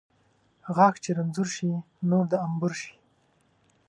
ـ غاښ چې رنځور شي ، نور د انبور شي .